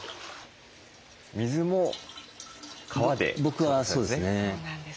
水も川で？